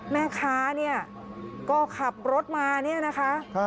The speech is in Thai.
แหม่ค้าก็ขับรถมานี่นะคะ